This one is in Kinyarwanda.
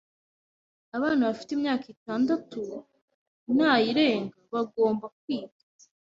Abana bafite imyaka itandatu nayirenga bagomba kwiga.